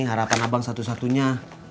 harapan abang satu satunya